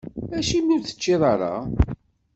Acimi ur teččiḍ ara?